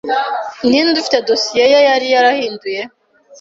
Ninde ufite dosiye ye yari yarayihinduye